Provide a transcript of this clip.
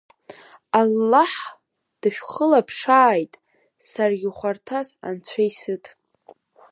Аллаҳ дышәхылаԥшааит, саргьы хәарҭас анцәа исыҭ.